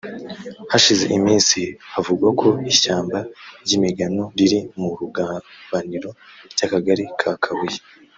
Hashize iminsi havugwa ko ishyamba ry’imigano riri mu rugabaniro ry’akagari ka Kabuye